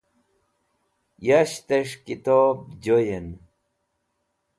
Yashtes̃h Kitob Joyen